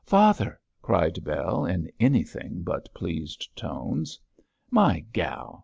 'Father!' cried Bell, in anything but pleased tones. 'My gal!'